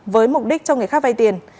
với mục đích cho người khác vay tiền